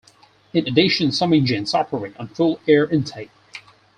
In addition some engines operate on full air intake.